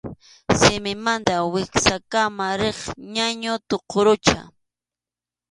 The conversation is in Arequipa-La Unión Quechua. Simimanta wiksakama riq ñañu tuqurucha.